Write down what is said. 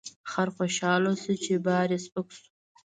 خر خوشحاله شو چې بار یې سپک شو.